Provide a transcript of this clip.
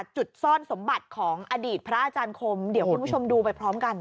จุดซ่อนสมบัติของอดีตพระอาจารย์คมเดี๋ยวคุณผู้ชมดูไปพร้อมกัน